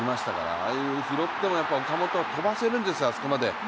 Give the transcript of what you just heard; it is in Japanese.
ああいう拾っても岡本は飛ばせるんですよ、あそこまで。